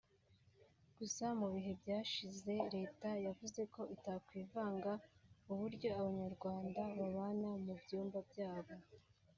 Gusa mu bihe byashize leta yavuze ko itakwivanga mu buryo ’ Abanyarwanda babana mu byumba byabo’